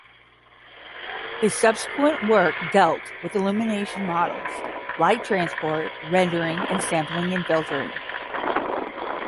His subsequent work dealt with illumination models, light transport, rendering, and sampling and filtering.